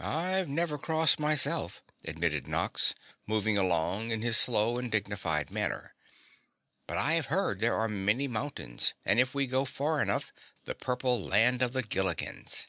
"I've never crossed myself," admitted Nox, moving along in his slow and dignified manner, "but I have heard there are many mountains and if we go far enough the Purple Land of the Gillikins."